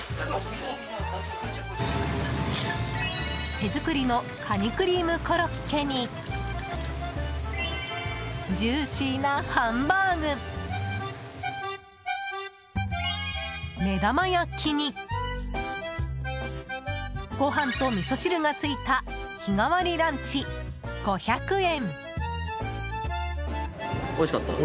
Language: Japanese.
手作りのカニクリームコロッケにジューシーなハンバーグ目玉焼きにご飯とみそ汁がついた日替わりランチ、５００円。